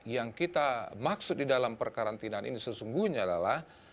yang kita maksud di dalam perkarantinaan ini sesungguhnya adalah